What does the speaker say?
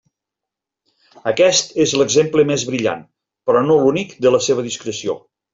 Aquest és l'exemple més brillant, però no l'únic, de la seva discreció.